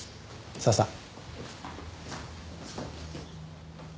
さあさあ。